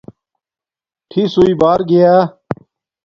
ٹھِس ہݸئئ بار گیا